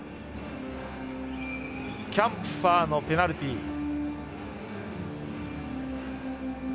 キャンプファーのペナルティー。